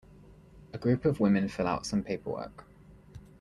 A group of women fill out some paperwork.